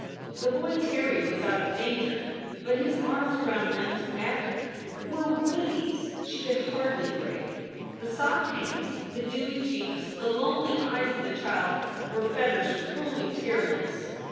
The boy Terry was out of danger, but his arms around Mem s neck were withes she could hardly break. The soft hands, the dewy cheeks, the lonely eyes of the child were fetters cruelly tyrannous.